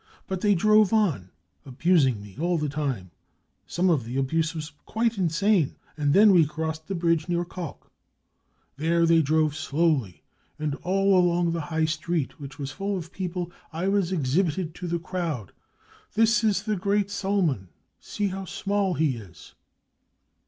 But they drove on, abusing me all the time some of # the abuse was quite insane— and then we crossed the bridge near Kalk. There they drove slowly, and all 210 BROWN BOOK OF THE HITLER TERROR along the High Street, which was full of people, I was exhibited to the crowd : e This is the great Sollmann ! See how small he is